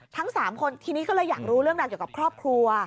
ทั้ง๓คนทีนี้ก็เลยอยากรู้เรื่องราวเกี่ยวกับครอบครัว